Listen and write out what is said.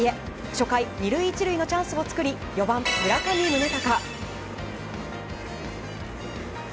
初回、２塁１塁のチャンスを作り４番、村上宗隆。